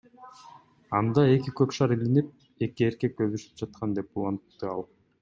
Анда эки көк шар илинип, эки эркек өбүшүп жаткан, — деп улантты ал.